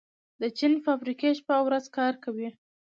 د چین فابریکې شپه او ورځ کار کوي.